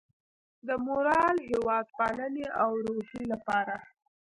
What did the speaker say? د مورال، هیواد پالنې او روحیې لپاره